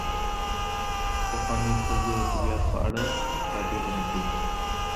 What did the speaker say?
پخوانیو خلګو د طبیعت په اړه تعبیرونه کړي دي.